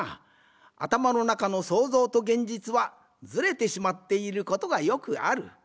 あたまのなかの想像と現実はズレてしまっていることがよくある。